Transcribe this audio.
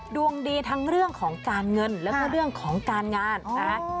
ดวงดีทั้งเรื่องของการเงินแล้วก็เรื่องของการงานนะฮะ